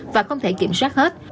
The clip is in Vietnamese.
và không thể kiểm soát hết